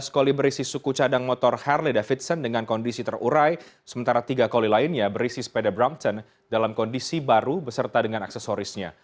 dua belas koli berisi suku cadang motor harley davidson dengan kondisi terurai sementara tiga koli lainnya berisi sepeda brampton dalam kondisi baru beserta dengan aksesorisnya